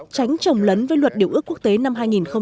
tránh trồng lấn với luật điều ước quốc tế năm hai nghìn một mươi